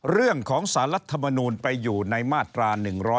เรื่องของศาลรัฐธรรมนุนไปอยู่ในมาตรา๑๙๕